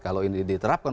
kalau ini diterapkan